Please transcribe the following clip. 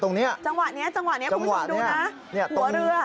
จังหวะนี้จังหวะนี้คุณผู้ชมดูนะตัวเรือ